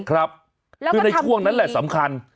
คือในช่วงนั้นแหละสำคัญ